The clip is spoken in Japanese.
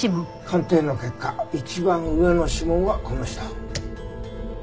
鑑定の結果一番上の指紋はこの人。